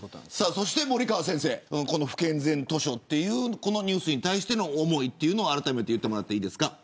そして森川先生、不健全図書というこのニュースに対しての思いをあらためて言ってもらってもいいですか。